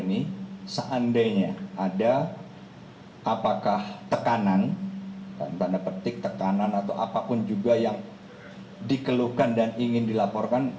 ini seandainya ada apakah tekanan tanda petik tekanan atau apapun juga yang dikeluhkan dan ingin dilaporkan